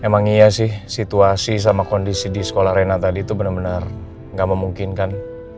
memang iya sih situasi sama kondisi di sekolah reina tadi tuh bener bener gak memungkinkan